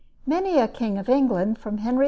Many a king of England, from Henry II.